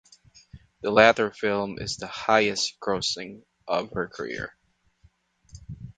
The latter film is the highest grossing of her career.